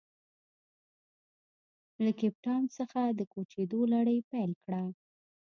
له کیپ ټاون څخه د کوچېدو لړۍ پیل کړه.